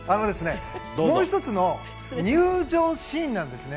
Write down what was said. もう１つの入場シーンなんですね。